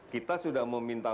kita sudah meminta